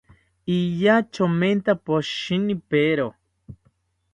Iya chomenta poshinipero